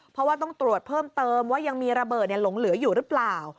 เพราะว่าต้องตรวจเพิ่มเติมว่ายังมีระเบิดหลงเหลืออยู่หรือเปล่า